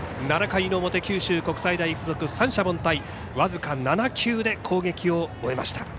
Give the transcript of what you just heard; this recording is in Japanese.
７回の表、九州国際大付属三者凡退、僅か７球で攻撃を終えました。